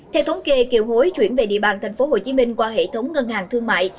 theo thống kê kiều hối chuyển về địa bàn tp hcm qua hệ thống ngân hàng thương mại